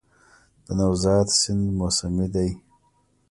د نوزاد سیند موسمي دی